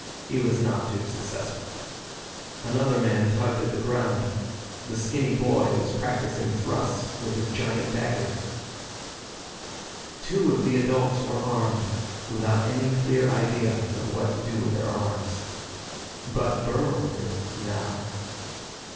He was not too successful. Another man tugged at the ground. The skinny boy was practicing thrusts with his giant dagger. Two of the adults were armed, without any clear idea of what to do with their arms. But Burl knew, now.